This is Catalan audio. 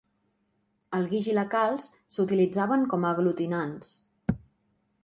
El guix i la calç s'utilitzaven com aglutinants.